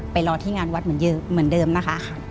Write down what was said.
รอที่งานวัดเหมือนเดิมนะคะ